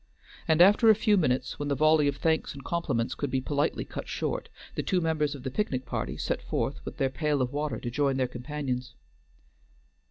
And after a few minutes, when the volley of thanks and compliments could be politely cut short, the two members of the picnic party set forth with their pail of water to join their companions.